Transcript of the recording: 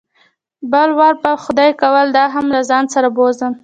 بل وار به که خدای کول دا هم له ځان سره بوځم.